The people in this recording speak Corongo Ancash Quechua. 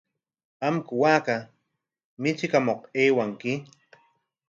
¿Qamku waaka michikamuq aywanki?